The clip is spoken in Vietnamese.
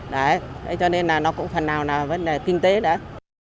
đấy cho nên là nó cũng phần nào nào vẫn là kinh tế đấy